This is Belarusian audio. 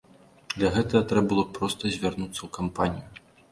Для гэтага трэба было проста звярнуцца ў кампанію.